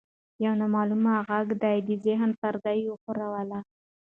یو نامعلومه غږ د ده د ذهن پردې وښورولې.